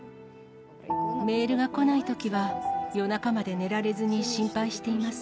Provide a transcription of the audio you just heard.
メールが来ないときは、夜中まで寝られずに心配しています。